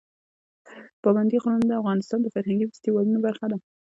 پابندی غرونه د افغانستان د فرهنګي فستیوالونو برخه ده.